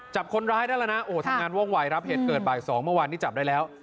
จับคนร้ายได้แล้วนะโอ้ทำงานว่องวัยครับเหตุเกิดบ่าย๒เมื่อวานนี้จับได้แล้ว